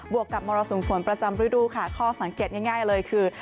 วกกับมรสุมฝนประจำฤดูค่ะข้อสังเกตง่ายเลยคือ